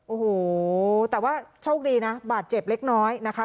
โอ้โหแต่ว่าโชคดีนะบาดเจ็บเล็กน้อยนะคะ